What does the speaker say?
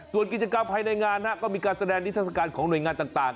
ส่วนกิจกรรมภายในงานก็มีการแสดงนิทัศกาลของหน่วยงานต่าง